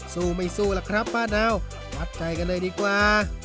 สู้ไม่สู้ล่ะครับป้าดาววัดใจกันเลยดีกว่า